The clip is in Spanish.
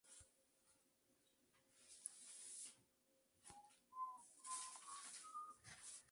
La cresta más al sur marca la frontera con la vecina China.